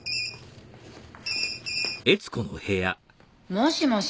もしもし？